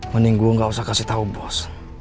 mending gue gak usah kasih tau bos